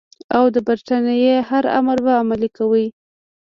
او د برټانیې هر امر به عملي کوي.